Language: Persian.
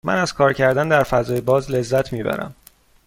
من از کار کردن در فضای باز لذت می برم.